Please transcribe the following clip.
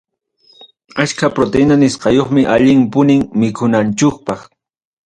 Achka proteína nisqayuqmi, allin punim mikunanchukpaq.